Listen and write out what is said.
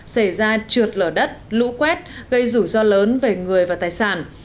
xảy ra trượt lở đất lũ quét gây rủi ro lớn về người và tài sản